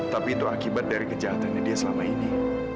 tapi itu akibat dari kejahatannya dia selama ini